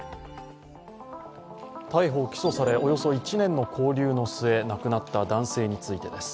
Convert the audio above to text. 逮捕・起訴されおよそ１年の勾留の末、亡くなった男性についてです。